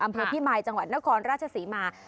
อำเภอพิมายจังหวัดนครราชศรีมา